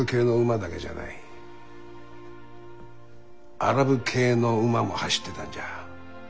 アラブ系の馬も走ってたんじゃ。